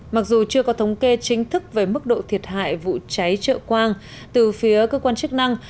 mặc dù chưa có thống kê chính thức về mức độ thiệt hại vụ cháy trợ quang từ phía cơ quan chức năng